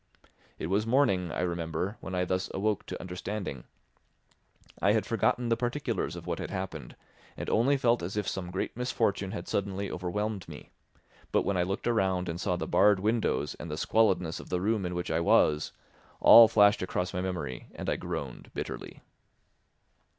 It was morning, I remember, when I thus awoke to understanding; I had forgotten the particulars of what had happened and only felt as if some great misfortune had suddenly overwhelmed me; but when I looked around and saw the barred windows and the squalidness of the room in which I was, all flashed across my memory and I groaned bitterly.